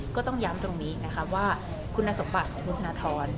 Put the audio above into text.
ก็ต้องย้ำตรงนี้นะคะว่าคุณสมบัติของคุณธนทร